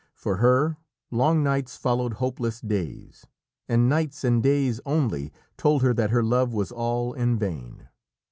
For her, long nights followed hopeless days, and nights and days only told her that her love was all in vain.